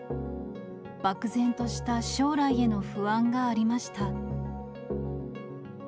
漠然とした将来への不安がありました。